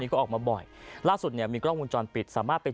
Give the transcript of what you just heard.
ก็ออกมาบ่อยล่าสุดเนี่ยมีกล้องวงจรปิดสามารถไป